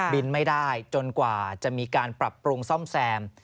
บินไม่ได้จนกว่าจะมีการปรับปรุงซ่อมแซม